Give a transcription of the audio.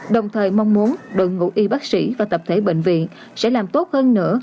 đồng thời mong muốn đội ngũ y bác sĩ và tập thể bệnh viện sẽ làm tốt hơn nữa